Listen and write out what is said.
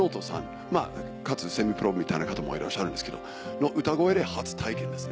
まぁかつセミプロみたいな方もいらっしゃるんですけどの歌声で初体験ですね。